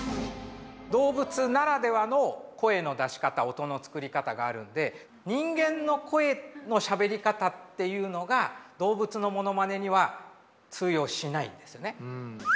動物ならではの声の出し方音の作り方があるので人間の声のしゃべり方っていうのが動物のモノマネには通用しないんですね。